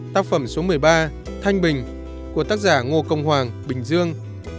tác phẩm số một mươi ba thanh bình của tác giả ngô công hoàng bình dương